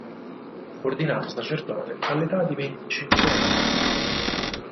Fu ordinato sacerdote all'età di venticinque anni.